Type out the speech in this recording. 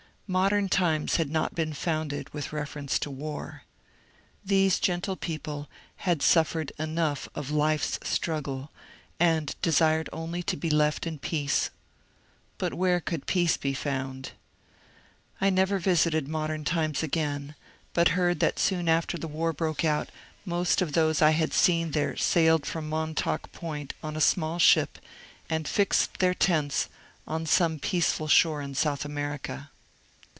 Modem Times had not been founded with reference to war. Those gentle people had suffered enough of life's struggle, and desired only to be left in peace. But where could peace be found ? I never visited Modem Times again, but heard that soon after the war broke out most of those I had seen there sailed from Montauk Point on a small ship and fixed their tents on some peaceful shore in South America.